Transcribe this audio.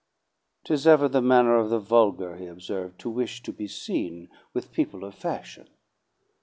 "'Tis ever the manner of the vulgar," he observed, "to wish to be seen with people of fashion."